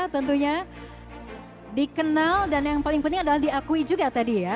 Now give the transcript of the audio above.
tentunya dikenal dan yang paling penting adalah diakui juga tadi ya